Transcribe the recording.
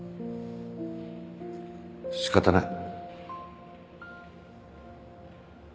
仕方ない。